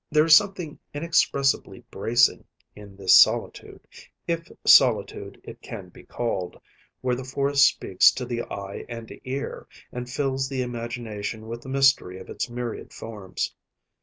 There is something inexpressibly bracing in this solitude, if solitude it can be called, where the forest speaks to the eye and ear, and fills the imagination with the mystery of its myriad forms.